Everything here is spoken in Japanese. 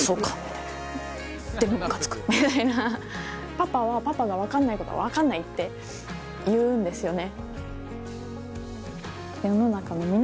パパはパパが分かんないことは分かんないって言うんですよね。